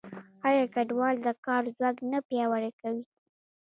آیا کډوال د کار ځواک نه پیاوړی کوي؟